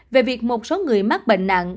về việc một số người mắc bệnh nặng